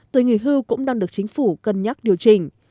tuổi nghỉ hưu cũng đang được chính phủ cân nhắc điều chỉnh